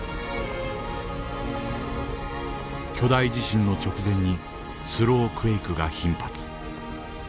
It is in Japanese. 巨大地震の直前にスロークエイクが頻発。